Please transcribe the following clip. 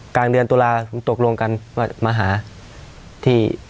กลางเดือนตุลาผมตกลงกันว่ามาหาที่